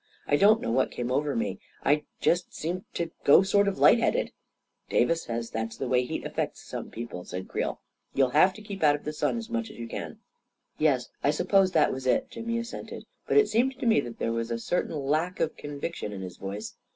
" I don't know what came over me — I just seemed to go sort of light headed." " Davis says that's the way heat affects some people," said Creel. " You'll have to keep out of the sun as much as you can." 44 Yes, I suppose that was it," Jimmy assented, but it seemed to me that there was a certain lack of con viction in his voice.